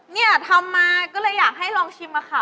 เนี่ยทำมาก็เลยอยากให้ลองชิมค่ะ